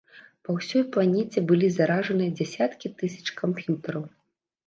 Па ўсёй планеце былі заражаныя дзясяткі тысяч камп'ютараў.